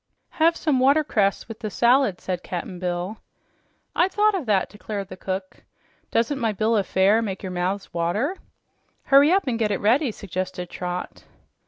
"Have some watercress with the salad," said Cap'n Bill. "I'd thought of that," declared the cook. "Doesn't my bill of fare make your mouths water?" "Hurry up and get it ready," suggested Trot.